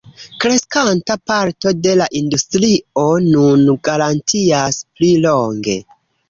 Kreskanta parto de la industrio nun garantias pli longe.